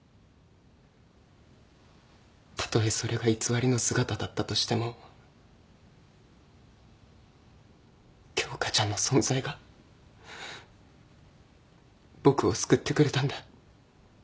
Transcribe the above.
たとえそれが偽りの姿だったとしても京花ちゃんの存在が僕を救ってくれたんだ。